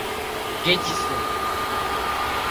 گج سي